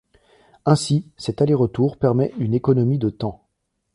Ainsi, cet aller-retour permet une économie de temps.